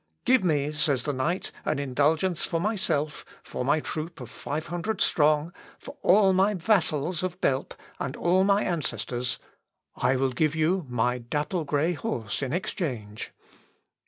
"Give me," says the knight, "an indulgence for myself, for my troop of five hundred strong, for all my vassals of Belp, and all my ancestors; I will give you my dapple grey horse in exchange."